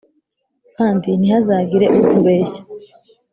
kandi ntihazagire ukubeshya